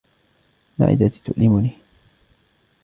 معدتى تؤلمني.